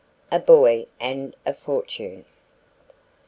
A BOY AND A FORTUNE.